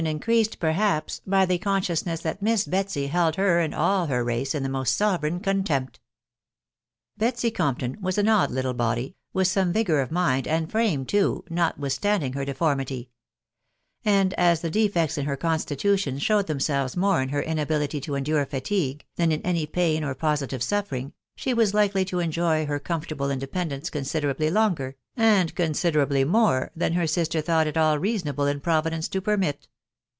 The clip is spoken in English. S increased, peffeaps, by the consciousness that Mia Betsy held her and all her race in the meet sovereign contempt. Betsy Compttm was an odd little body, with tome vigour of mind, and frame too, notwithstanding her deformity ; and as the defects in her constitution showed themselves more in her inability to endure fatigvt, than in any pain or positive suffering, she was likely to enjoy her comfortable independence considerably longer, and considerably more, than her sister thought it all reasonable in Providence to permit.